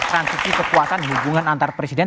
transisi kekuatan hubungan antar presiden